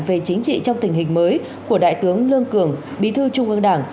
về chính trị trong tình hình mới của đại tướng lương cường bí thư trung ương đảng